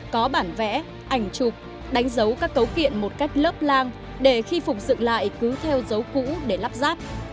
có bản vẽ ảnh chụp đánh dấu các cấu kiện một cách lớp lang để khi phục dựng lại cứ theo dấu cũ để lắp ráp